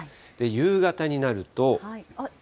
夕方になると。